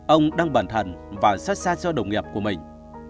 ông đăng bản thân và xót xa cho đồng nghiệp của mình